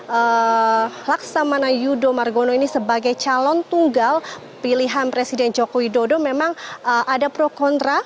dan mengenai dinamika fraksi fraksi terkait pemilihan laksamana yudo margono ini sebagai calon tunggal pilihan presiden joko widodo memang ada pro kontra